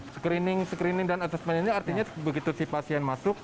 screening screening dan asesmen ini artinya begitu si pasien masuk